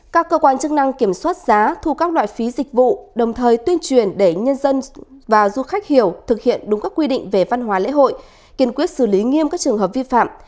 các cơ quan chức năng kiểm soát giá thu các loại phí dịch vụ đồng thời tuyên truyền để nhân dân và du khách hiểu thực hiện đúng các quy định về văn hóa lễ hội kiên quyết xử lý nghiêm các trường hợp vi phạm